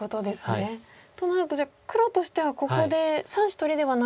となるとじゃあ黒としてはここで３子取りではなく。